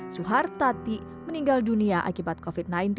suhartati meninggal dunia akibat covid sembilan belas